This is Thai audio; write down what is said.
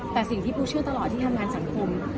แต่สิ่งที่ปูเชื่อตลอดที่ทำงานสังคม